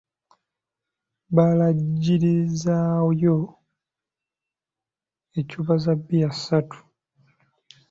Baalagirizaayo eccupa za bbiya ssatu.